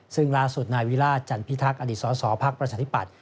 ซึ่งลาสุดนายวิราชจันทร์พิทักษ์อสศภักดิ์ประชาธิบัติ